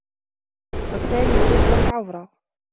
وَالثَّانِي سَتْرُ الْعَوْرَةِ